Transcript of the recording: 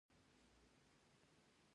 پوهه ذهن ته ازادي ورکوي